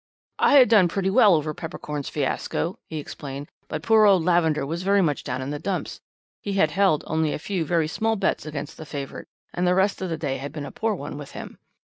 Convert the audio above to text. "'I had done pretty well over Peppercorn's fiasco,' he explained, 'but poor old Lavender was very much down in the dumps; he had held only a few very small bets against the favourite, and the rest of the day had been a poor one with him.